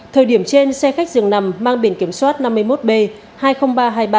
thời điểm trên xe khách dường nằm mang biển kiểm soát năm mươi một b hai mươi nghìn ba trăm hai mươi ba